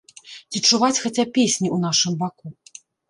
Ці чуваць хаця песні ў нашым баку?